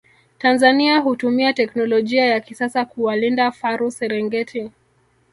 Tanzania hutumia teknolojia ya kisasa kuwalinda faru Serengeti